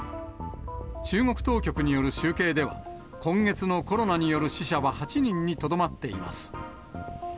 中国当局による集計では、今月のコロナによる死者は８人にとどまっています。